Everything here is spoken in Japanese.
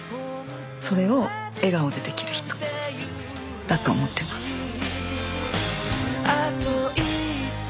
それを笑顔でできる人だと思ってます。